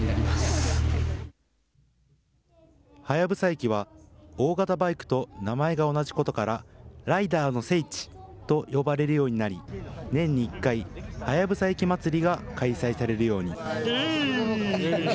隼駅は、大型バイクと名前が同じことから、ライダーの聖地と呼ばれるようになり、年に１回、隼駅まつりが開催されるように。